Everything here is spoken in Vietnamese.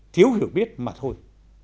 thiếu hiểu biết mà thôi